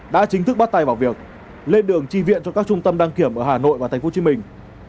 đã chính thức bắt tay vào việc lên đường tri viện cho các trung tâm đăng kiểm ở hà nội và thành phố hồ chí minh